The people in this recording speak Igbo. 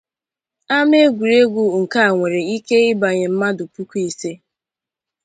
Amá egwuregwu nke a nwere ike ibanye mmadụ puku ise.